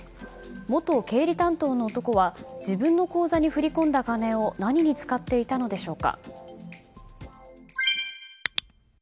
元経理担当の男は自分の口座に振り込んだお金を何に使っていたのでしょうか。